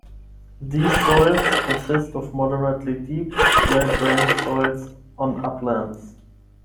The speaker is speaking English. These soils consist of moderately deep, well drained soils on uplands.